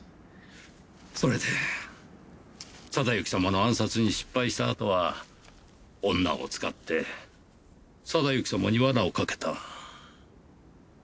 それで定行様の暗殺に失敗したあとは女を使って定行様に罠をかけた。